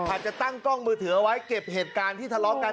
อาจจะตั้งกล้องมือถือเอาไว้เก็บเหตุการณ์ที่ทะเลาะกัน